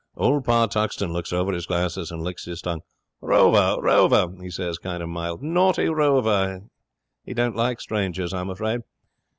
Old Pa Tuxton looks over his glasses and licks his tongue. "Rover! Rover!" he says, kind of mild. "Naughty Rover; he don't like strangers, I'm afraid."